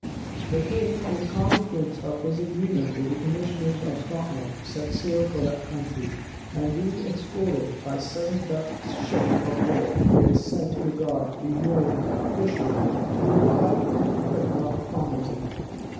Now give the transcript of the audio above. The king, in consequence of his agreement with the commissioners of Scotland, set sail for that country; and being escorted by seven Dutch ships of war, who were sent to guard the herring fishery, he arrived in the Frith of Cromarty.